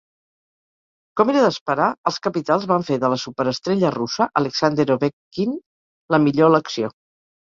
Com era d'esperar, els capitals van fer de la superestrella russa Alexander Ovechkin, la millor elecció.